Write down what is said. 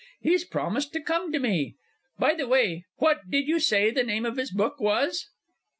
He's promised to come to me. By the way, what did you say the name of his book was?